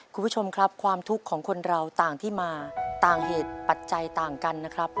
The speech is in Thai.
คุณผู้ชมครับความทุกข์ของคนเราต่างที่มาต่างเหตุปัจจัยต่างกันนะครับ